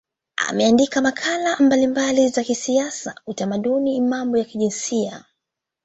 Ameandika makala mbalimbali za kisiasa, utamaduni na mambo ya kijinsia.